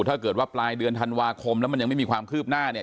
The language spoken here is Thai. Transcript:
ถ้าเกิดว่าปลายเดือนธันวาคมแล้วมันยังไม่มีความคืบหน้าเนี่ย